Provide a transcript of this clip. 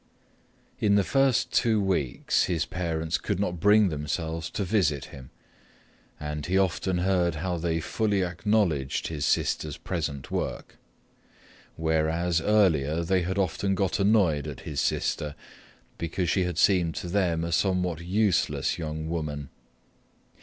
In the first two weeks his parents could not bring themselves to visit him, and he often heard how they fully acknowledged his sister's present work; whereas, earlier they had often got annoyed at his sister because she had seemed to them a somewhat useless young woman.